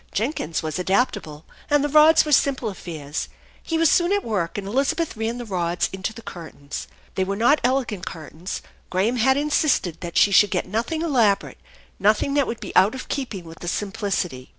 Jenkins was adaptable, and the rods were simple affairs. He was soon at work, and Elizabeth ran the rods into the curtains. They were not elegant curtains. Graham had insisted that phe should get nothing elaborate, nothing that would be out of keeping with the simplicity.